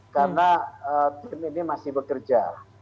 karena tim ini masih bekerja